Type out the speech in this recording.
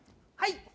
はい。